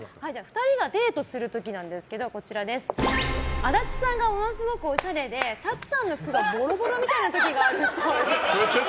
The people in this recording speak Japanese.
２人がデートする時なんですけど足立さんがものすごくおしゃれでＴＡＴＳＵさんの服がボロボロみたいな時があるっぽい。